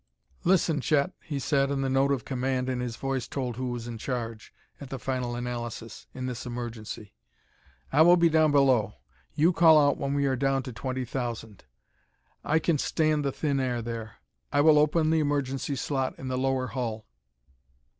"Listen, Chet," he said, and the note of command in his voice told who was in charge, at the final analysis, in this emergency. "I will be down below. You call out when we are down to twenty thousand: I can stand the thin air there. I will open the emergency slot in the lower hull."